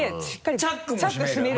チャック閉める。